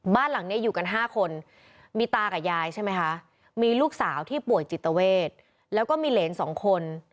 บ้านหลังนี้อยู่กัน๕คนมีตากับยายใช่ไหมคะมีลูกสาวที่ป่วยจิตเวทแล้วก็มีเหรน๒คน